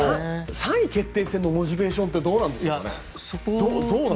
３位決定戦のモチベーションってどうなんでしょう。